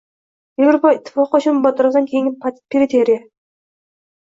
Evropa Ittifoqi uchun bu atrofdan keyingi periferiya